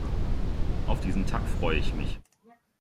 Auf diesen Tag freue ich mich!